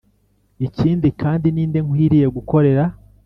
Ikindi kandi ni nde nkwiriye gukorera.